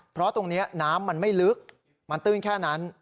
เพราะตรงนี้น้ำมันไม่ลึกมันตื้นแค่นั้น